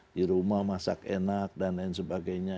di rumah masak enak dan lain sebagainya